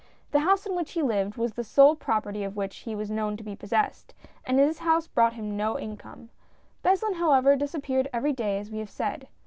The house in which he lived was the sole property of which he was known to be possessed, and this house brought him in no income. Beslin, however, disappeared every day as we have said.